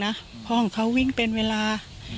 เพราะของเขาวิ่งเป็นเวลา